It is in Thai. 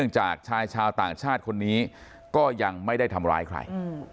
จากชายชาวต่างชาติคนนี้ก็ยังไม่ได้ทำร้ายใคร